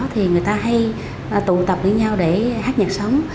thì người ta hay tụ tập với nhau để hát nhạc sống